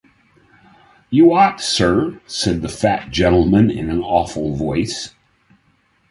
‘You ought, Sir,’ said the fat gentleman, in an awful voice.